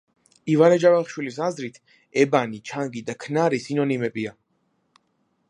ივანე ჯავახიშვილის აზრით, ებანი, ჩანგი და ქნარი სინონიმებია.